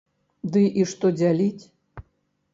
Ды і што дзяліць?